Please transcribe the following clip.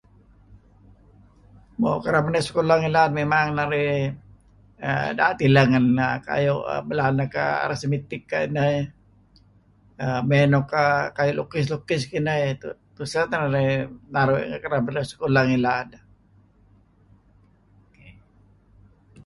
Mo kereb narih ngi sekolah ngilad mimang narih daet ileh ngen kayu' Arismatic kay iney may nuk kah kayu nuk lukis-lukis kiney eseh teh narih naru' idih kereb sekolah ngilad.